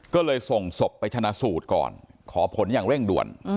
ก็เลยส่งศพไปชนะสูตรก่อนขอผลอย่างเร่งด่วน